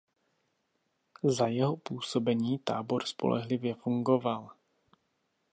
Za jeho působení tábor spolehlivě fungoval.